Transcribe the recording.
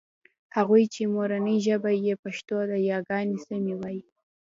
هغوی چې مورنۍ ژبه يې پښتو ده یاګانې سمې وايي